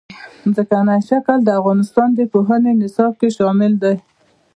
ځمکنی شکل د افغانستان د پوهنې نصاب کې شامل دي.